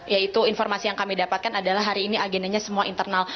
yaitu informasi yang kami dapatkan adalah hari ini agendanya semua internal